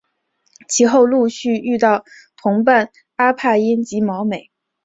其后陆续遇到同伴阿帕因及毛美。